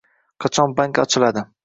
Qachon bank ochiladi